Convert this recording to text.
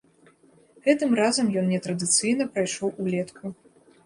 Гэтым разам ён нетрадыцыйна прайшоў улетку.